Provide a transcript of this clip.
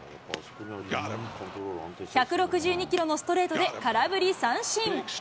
１６２キロのストレートで空振り三振。